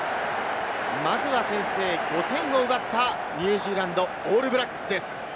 まずは先制、５点を奪ったニュージーランド、オールブラックスです。